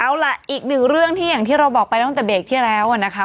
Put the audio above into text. เอาล่ะอีกหนึ่งเรื่องที่อย่างที่เราบอกไปตั้งแต่เบรกที่แล้วนะคะ